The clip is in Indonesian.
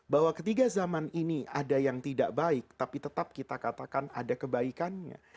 bahwa ketiga zaman ini ada yang tidak baik tapi tetap kita katakan ada kebaikannya